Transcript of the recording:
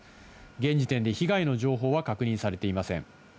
現時点で被害の情報は確認されていません。